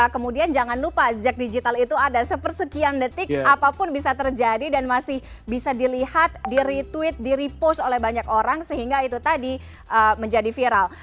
kemudian jangan lupa jek digital itu ada sepersekian detik apapun bisa terjadi dan masih bisa dilihat di retweet di repost oleh banyak orang sehingga itu tadi menjadi viral